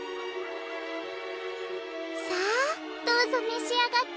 さあどうぞめしあがって。